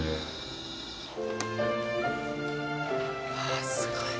ああすごい。